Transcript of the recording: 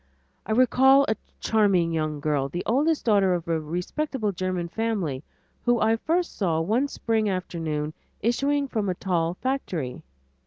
I recall a charming young girl, the oldest daughter of a respectable German family, whom I first saw one spring afternoon issuing from a tall factory.